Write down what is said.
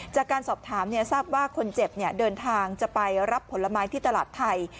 จากการสอบถามทราบว่าคนเจ็บเดินทางจะไปรับผลไม้ที่ตลาดไทย